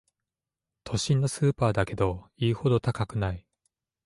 都心のスーパーだけど言うほど高くない